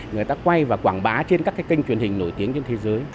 người ta quay và quảng bá trên các kênh truyền hình nổi tiếng trên thế giới